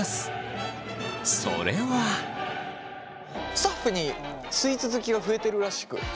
スタッフにスイーツ好きが増えてるらしく。